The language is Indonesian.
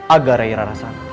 agar rai rana santa